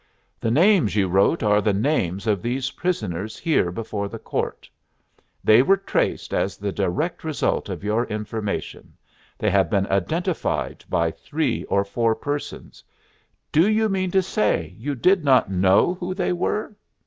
"The names you wrote are the names of these prisoners here before the court. They were traced as the direct result of your information. They have been identified by three or four persons. Do you mean to say you did not know who they were?"